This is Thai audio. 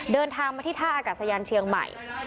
เดินทางมาที่ท่าอากาศยานเชียงใหม่